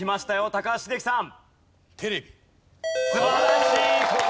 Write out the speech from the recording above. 高橋英樹さん